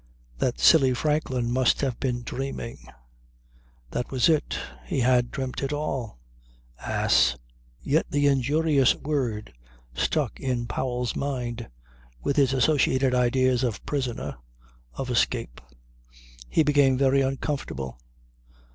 That silly Franklin must have been dreaming. That was it. He had dreamed it all. Ass. Yet the injurious word stuck in Powell's mind with its associated ideas of prisoner, of escape. He became very uncomfortable.